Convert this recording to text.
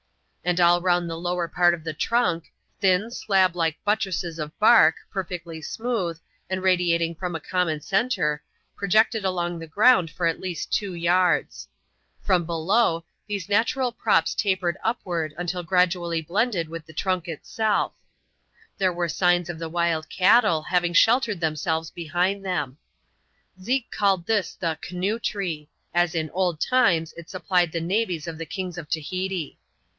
And all round the lower part of the trunk, thin, slab like butti*esses of bark, perfectly smooth, and radiating from a common centre, projected along the ground for at least two yards. Eromb^low^ tiese natural props tapered upward untW gc^^xsitJ^^ W^xs.^^ p 3 214 ADVENTURES IN THE SOUTH SEAS. Echap.iv. with the trunk itself. There were signs of the wild cattle having sheltered themselves behind them. Zeke called this the canoe tree ; as in old times it supplied the navies of the kmgs of Tahiti.